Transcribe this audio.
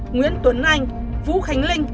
nguyễn tuấn anh vũ khánh linh